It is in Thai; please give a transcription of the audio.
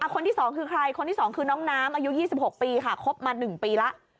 คนที่๒คือใครคนที่๒คือน้องน้ำอายุ๒๖ปีค่ะคบมา๑ปีแล้ว